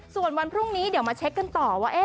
ส่วนวันพรุ่งนี้เดี๋ยวมาเช็คกันต่อว่า